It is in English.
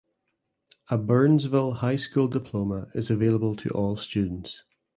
A Burnsville High School diploma is available to all students.